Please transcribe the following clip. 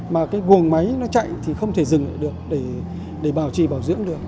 mà cái buồng máy nó chạy thì không thể dừng lại được để bảo trì bảo dưỡng được